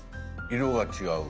色が違う。